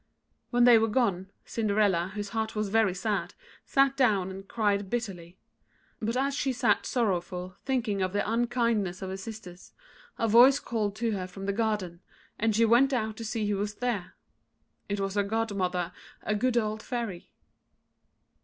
When they were gone, Cinderella, whose heart was very sad, sat down and cried bitterly; but as she sat sorrowful, thinking of the unkindness of her sisters, a voice called to her from the garden, and she went out to see who was there. It was her godmother, a good old Fairy.